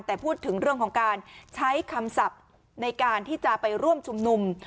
แต่พูดถึงเรื่องของการใช้คำศัพท์ในการที่จะไปร่วมชุมนุม